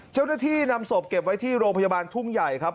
เจ้าหน้าที่นำศพเก็บไว้ที่โรงพยาบาลทุ่งใหญ่ครับ